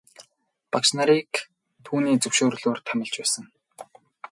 Багш нарыг түүний зөвшөөрлөөр л томилж байсан.